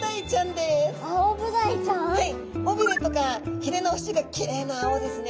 尾鰭とか鰭の縁がきれいな青ですね。